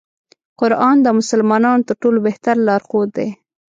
قرآن د مسلمانانو تر ټولو بهتر لار ښود دی.